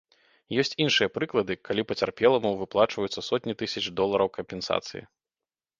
Ёсць іншыя прыклады, калі пацярпеламу выплачваюцца сотні тысяч долараў кампенсацыі.